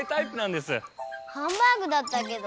ハンバーグだったけど。